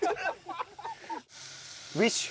ウィッシュ。